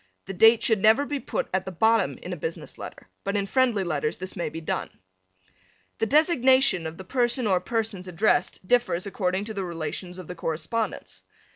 The date should never be put at the bottom in a business letter, but in friendly letters this may be done. The designation of the person or persons addressed differs according to the relations of the correspondents.